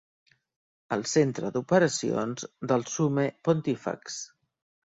El centre d'operacions del Summe Pontífex.